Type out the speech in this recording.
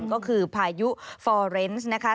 ก็คือพายุฟอร์เรนซ์นะคะ